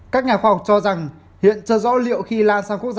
các nhà khoa học cho rằng hiện chưa rõ liệu khi lan sang quốc gia